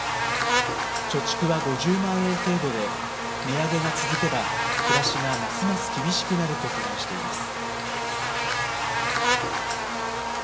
貯蓄は５０万円程度で、値上げが続けば、暮らしがますます厳しくなると懸念しています。